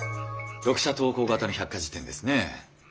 読者投稿型の百科事典ですね。